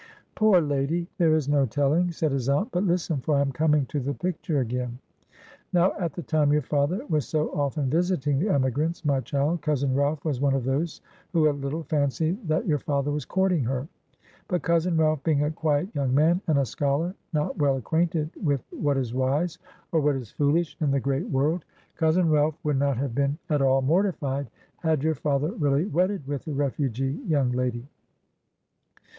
"Poor lady, there is no telling," said his aunt. "But listen, for I am coming to the picture again. Now, at the time your father was so often visiting the emigrants, my child, cousin Ralph was one of those who a little fancied that your father was courting her; but cousin Ralph being a quiet young man, and a scholar, not well acquainted with what is wise, or what is foolish in the great world; cousin Ralph would not have been at all mortified had your father really wedded with the refugee young lady.